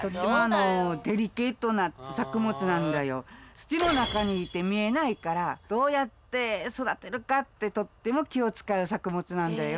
土の中にいて見えないからどうやって育てるかってとっても気を使う作物なんだよ。